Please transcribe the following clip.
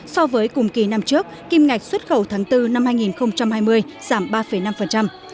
so với cùng kỳ năm trước kim ngạch xuất khẩu tháng bốn năm hai nghìn hai mươi giảm ba năm